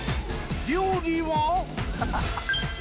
料理は？